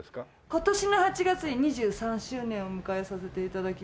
今年の８月で２３周年を迎えさせて頂きます。